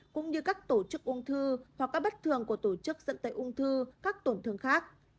cũng như các tổ chức ung thư hoặc các bất thường của tổ chức dẫn tệ ung thư các tổn thương khác